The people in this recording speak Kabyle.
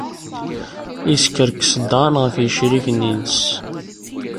Yeskerkes Dan ɣef yecriken-nnes.